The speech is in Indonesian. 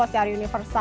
watasi pening ini punya